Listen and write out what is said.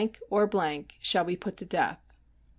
or ... shall be put to death.